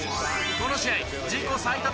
この試合自己最多